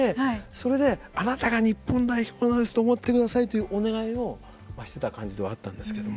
それで、あなたが日本代表だと思ってくださいというお願いをしてた感じではあったんですけれども。